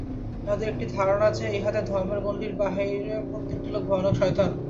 ইঁহাদের একটি ধারণা যে, ইঁহাদের ধর্মের গণ্ডীর বাহিরে প্রত্যেকটি লোক ভয়ানক শয়তান।